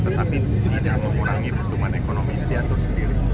tetapi tidak memurangi keuntungan ekonomi diantara sendiri